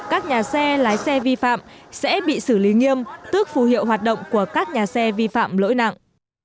các nhà xe lái xe vi phạm sẽ bị xử lý nghiêm tức phù hiệu hoạt động của các nhà xe vi phạm lỗi nặng